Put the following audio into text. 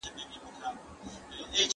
د مخ پر مځکه يې ډنډ ،ډنډ اوبه ولاړي راته